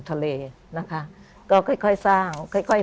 คุณซูซี่